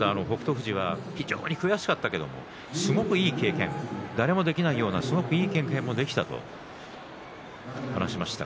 富士は非常に悔しかったけれどもすごくいい経験、誰もできないようなすごくいい経験もできたと話しました。